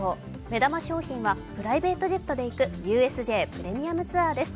目玉商品はプライベートジェットで行く、ＵＳＪプレミアムツアーです。